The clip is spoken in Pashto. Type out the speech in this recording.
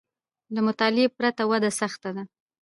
له مطالعې پرته وده سخته ده